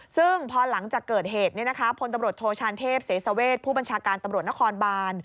ซึ่งพอหลังจากเกิดเหตุพลตำรวจโทชานเทพเสสเวชผู้บัญชาการตำรวจนครบาน